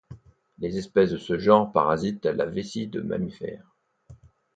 Les espèces de ce genre parasitent la vessie de mammifères.